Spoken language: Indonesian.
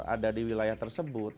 ada di wilayah tersebut